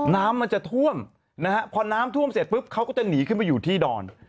น้ำมันจะท่วมนะฮะพอน้ำท่วมเสร็จปุ๊บเขาก็จะหนีขึ้นไปอยู่ที่ดอน